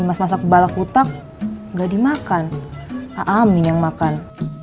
imas masak balak utak gak dimakan pak amin yang makan